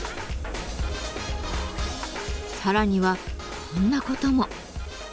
さらにはこんなことも。